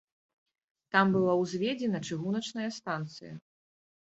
Там была ўзведзена чыгуначная станцыя.